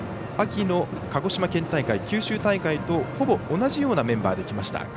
秋の鹿児島県大会、九州大会とほぼ同じようなメンバーできました。